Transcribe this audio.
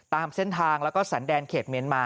ตามเส้นทางแล้วก็สันแดนเขตเมียนมา